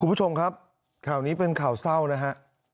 คุณผู้ชมครับข่าวนี้เป็นข่าวเศร้านะฮะ